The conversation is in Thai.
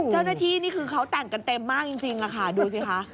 เจ้าหน้าที่นี่คือเขาแต่งกันเต็มมากจริงค่ะดูสิค่ะ